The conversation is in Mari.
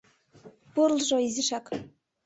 Пурлжо изишак.